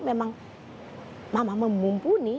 memang mama mumpuni